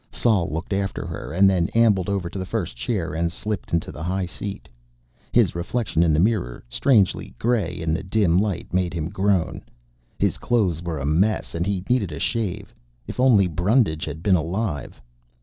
Sol looked after her, and then ambled over to the first chair and slipped into the high seat. His reflection in the mirror, strangely gray in the dim light, made him groan. His clothes were a mess, and he needed a shave. If only Brundage had been alive